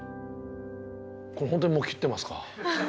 これ本当にモキュってますか？